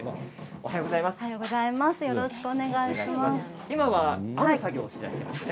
おはようございます。